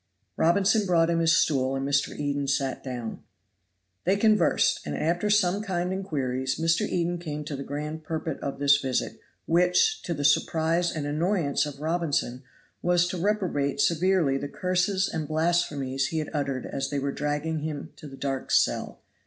Robinson brought him his stool, and Mr. Eden sat down. They conversed, and after some kind inquiries, Mr. Eden came to the grand purport of this visit, which, to the surprise and annoyance of Robinson, was to reprobate severely the curses and blasphemies he had uttered as they were dragging him to the dark cell.